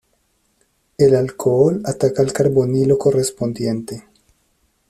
El alcohol ataca al carbonilo correspondiente.